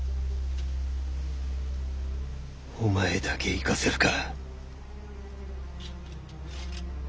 お前だけ行かせるか。